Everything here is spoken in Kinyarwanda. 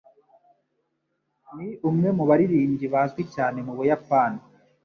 Ni umwe mu baririmbyi bazwi cyane mu Buyapani.